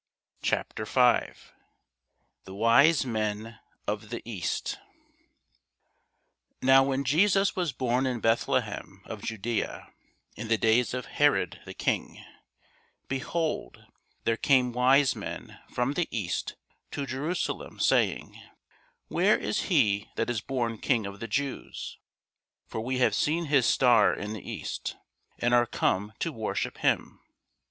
CHAPTER 5 THE WISE MEN OF THE EAST NOW when Jesus was born in Bethlehem of Judæa in the days of Herod the king, behold, there came wise men from the east to Jerusalem, saying, Where is he that is born King of the Jews? for we have seen his star in the east, and are come to worship him.